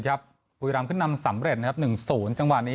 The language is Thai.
ครับบุรีรัมณ์ขึ้นนำสำเร็จนะครับหนึ่งศูนย์จังหวัดนี้